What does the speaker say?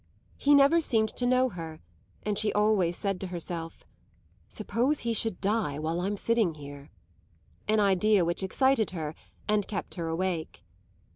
He never seemed to know her, and she always said to herself "Suppose he should die while I'm sitting here;" an idea which excited her and kept her awake.